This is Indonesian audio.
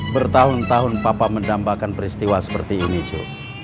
bertahun tahun papa mendambakan peristiwa seperti ini cu